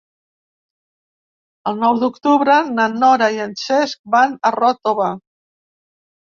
El nou d'octubre na Nora i en Cesc van a Ròtova.